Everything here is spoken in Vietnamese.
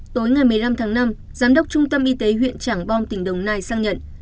tối ngày một mươi năm tháng năm giám đốc trung tâm y tế huyện trảng bom tỉnh đồng nai sang nhận